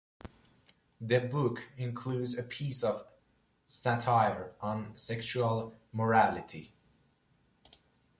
The book includes a piece of satire on sexual morality.